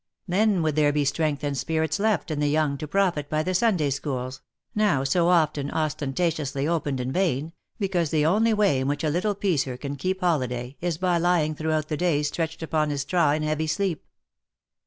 Then would there be strength and spirits left in the young to profit by the Sunday schools now so often ostentatiously opened in vain, because the only way in which a little piecer can keep holiday is by lying throughout the day stretched upon his straw in heavy sleep.